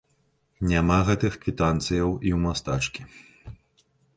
Няма гэтых квітанцыяў і ў мастачкі.